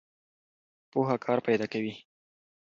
پوهه کار پیدا کوي.